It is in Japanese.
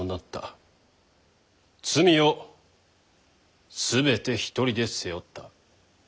罪を全て一人で背負った。